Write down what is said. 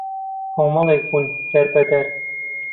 کۆمەڵێک بوون دەربەدەر